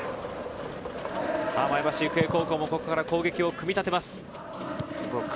前橋育英高校もここから攻撃を組み立てます。